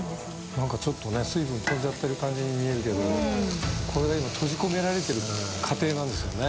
なんかちょっとね水分飛んじゃってる感じに見えるけどこれが今閉じ込められてる過程なんですよね。